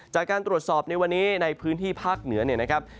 จากการตรวจสอบในวันนี้ในพื้นที่ภาคเหนือเนี่ยนะครับ